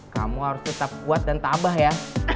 kamu harus tetap kuat dan tabah ya